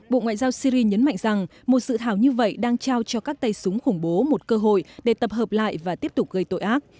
bộ ngoại giao syri nhấn mạnh rằng một sự thảo như vậy đang trao cho các tay súng khủng bố một cơ hội để tập hợp lại và tiếp tục gây tội ác